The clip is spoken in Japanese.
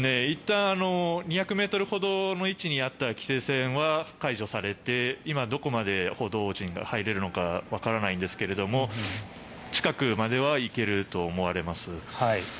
いったん２００ｍほどの位置にあった規制線は解除されて今どこまで報道陣が入れるかわからないんですけれど近くまでは行けると思われます。